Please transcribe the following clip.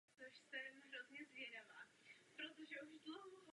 Ukazuje, že se skutečně snažíme, podáváme ruce.